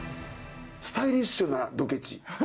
スタイリッシュなドケチ。